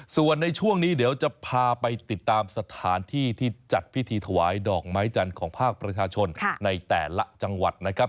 ส่วนในช่วงนี้เดี๋ยวจะพาไปติดตามสถานที่ที่จัดพิธีถวายดอกไม้จันทร์ของภาคประชาชนในแต่ละจังหวัดนะครับ